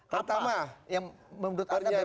kalau tadi sudah mengidentifikasi satu persatu